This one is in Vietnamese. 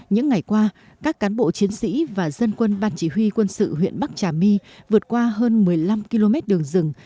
những ngày qua các cán bộ chiến sĩ và dân quân ban chỉ huy quân sự huyện bắc trà my vượt qua hơn một mươi năm km đường rừng